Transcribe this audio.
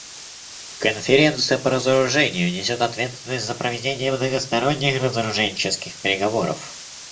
Конференция по разоружению несет ответственность за проведение многосторонних разоруженческих переговоров.